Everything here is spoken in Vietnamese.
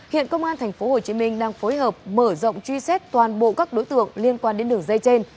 hiện công an tp hcm đang phối hợp mở rộng truy xét toàn bộ các đối tượng liên quan đến đường dây trên